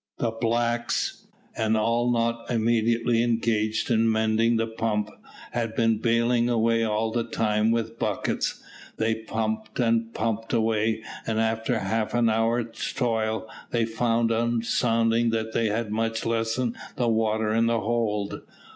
The blacks, and all not immediately engaged in mending the pump, had been baling away all the time with buckets. They pumped and pumped away, and after half an hour's toil they found on sounding that they had much lessened the water in the hold.